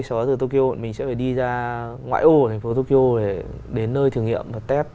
sau đó từ tokyo mình sẽ phải đi ra ngoại ô ở thành phố tokyo để đến nơi thử nghiệm và test